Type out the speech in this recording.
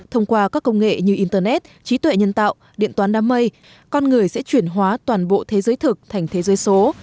thông qua các công nghệ như internet trí tuệ nhân tạo điện toán đám mây con người sẽ chuyển hóa toàn bộ thế giới thực thành thế giới số